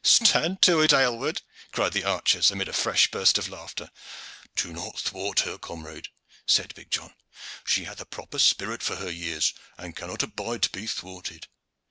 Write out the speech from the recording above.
"Stand to it, Aylward," cried the archers, amid a fresh burst of laughter. "Do not thwart her, comrade," said big John. "She hath a proper spirit for her years and cannot abide to be thwarted.